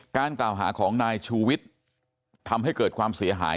กล่าวหาของนายชูวิทย์ทำให้เกิดความเสียหาย